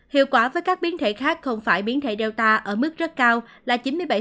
hiệu quả với các biến thể khác không phải biến thể data ở mức rất cao là chín mươi bảy